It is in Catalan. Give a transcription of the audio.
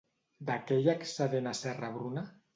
De què hi ha excedent a Serra-Bruna?